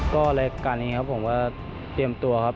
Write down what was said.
การนี้ผมก็เตรียมตัวครับ